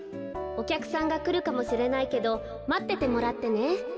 おきゃくさんがくるかもしれないけどまっててもらってね」。